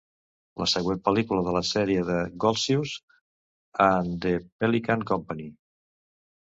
La següent pel·lícula de la sèrie és "Goltzius and the Pelican Company".